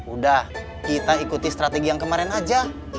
udah kita ikuti strategi yang kemarin aja